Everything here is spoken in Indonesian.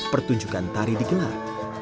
pertunjukan tari digelar